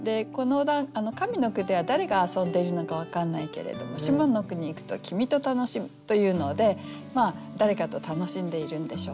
上の句では誰が遊んでいるのか分かんないけれども下の句にいくと「君と楽しむ」というので誰かと楽しんでいるんでしょう。